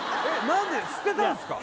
何で捨てたんですか？